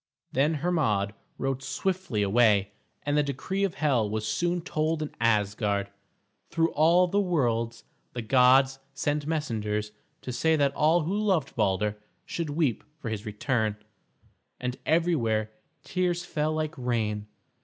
Then Hermod rode swiftly away, and the decree of Hel was soon told in Asgard. Through all the worlds the gods sent messengers to say that all who loved Balder should weep for his return, and everywhere tears fell like rain.